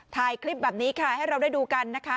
ถ่ายคลิปแบบนี้ค่ะให้เราได้ดูกันนะคะ